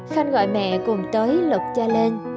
khanh gọi mẹ cùng tới lục cha lên